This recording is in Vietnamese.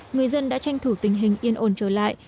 người dân đã tranh thủ tình hình yên ổn trở lại